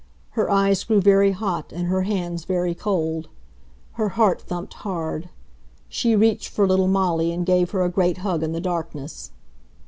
Her eyes grew very hot and her hands very cold. Her heart thumped hard. She reached for little Molly and gave her a great hug in the darkness.